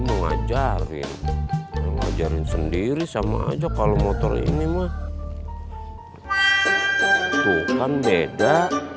mengajari mengajarin sendiri sama aja kalau motor ini mah tuhan beda